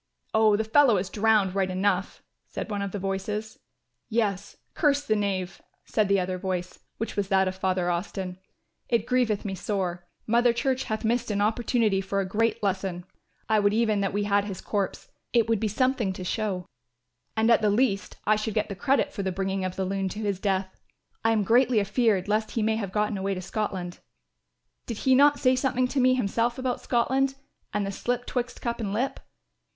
"Oh, the fellow is drowned right enough," said one of the voices. "Yes, curse the knave," said the other voice, which was that of Father Austin. "It grieveth me sore. Mother Church hath missed an opportunity for a great lesson. I would even that we had his corpse, it would be something to show; and at the least I should get the credit for the bringing of the loon to his death. I am greatly afeared lest he may have gotten away to Scotland. Did he not say something to me himself about Scotland and the slip twixt cup and lip?